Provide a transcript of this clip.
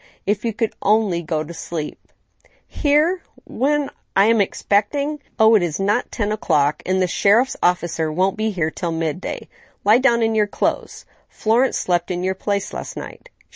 ... If you could only go to sleep I "" Here ? When I am expecting—" " Oh I it is not ten o'clock, and the sheriff's officer won't be here till midday. Lie down in your clothes. Florence slept in your place last night.